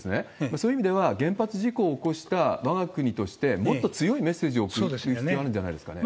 そういう意味では、原発事故を起こしたわが国として、もっと強いメッセージを送るという方法もあるんじゃないですかね。